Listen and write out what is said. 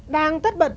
đang tất bật